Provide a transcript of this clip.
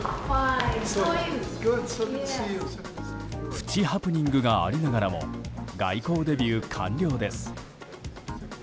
プチハプニングがありながらも外交デビュー完了です。